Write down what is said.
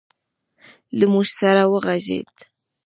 له موږ سره وغږېد